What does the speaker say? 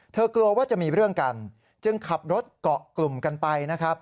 กลัวว่าจะมีเรื่องกันจึงขับรถเกาะกลุ่มกันไปนะครับ